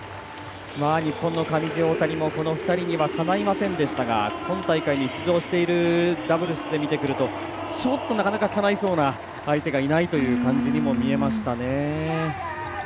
日本の上地、大谷もこの２人にはかないませんでしたが今大会に出場しているダブルスで見てくるとちょっとなかなか、かないそうな相手がいないというように見えましたね。